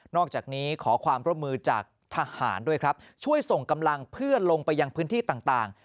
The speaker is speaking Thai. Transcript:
อกจากนี้ขอความร่วมมือจากทหารด้วยครับช่วยส่งกำลังเพื่อลงไปยังพื้นที่ต่าง